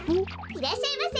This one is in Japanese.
いらっしゃいませ。